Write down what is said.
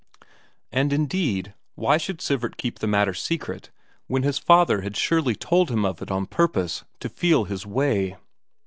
And indeed, why should Sivert keep the matter secret when his father had surely told him of it on purpose to feel his way?